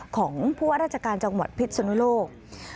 ของผู้ว่าราชการจังหวัดพิษนุโลก